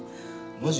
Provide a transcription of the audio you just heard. マジ？